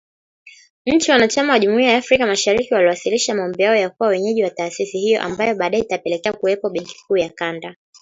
Nchi wanachama wa Jumuiya ya Afrika Mashariki waliwasilisha maombi yao ya kuwa wenyeji wa taasisi hiyo ambayo baadae itapelekea kuwepo Benki Kuu ya kanda